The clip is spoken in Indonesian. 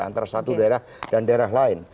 antara satu daerah dan daerah lain